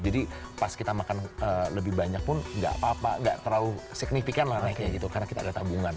jadi pas kita makan lebih banyak pun gak apa apa gak terlalu signifikan lah naiknya gitu karena kita ada tabungan